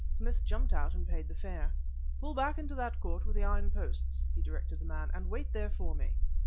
Smith jumped out and paid the fare. "Pull back to that court with the iron posts," he directed the man, "and wait there for me."